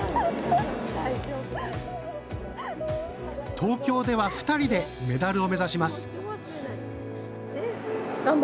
東京では２人でメダルを目指します。